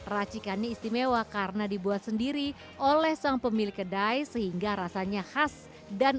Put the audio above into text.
racikannya istimewa karena dibuat sendiri oleh sang pemilik kedai sehingga rasanya khas dan